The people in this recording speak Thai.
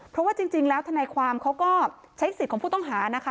เพราะว่าจริงแล้วทนายความเขาก็ใช้สิทธิ์ของผู้ต้องหานะคะ